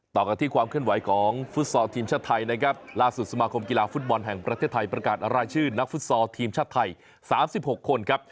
ต่อกันที่ความเคลื่อนไหวของฟุตซอลทีมชาติไทยนะครับล่าสุดสมาคมกีฬาฟุตบอลแห่งประเทศไทยประกาศรายชื่อนักฟุตซอลทีมชาติไทย๓๖คนครับ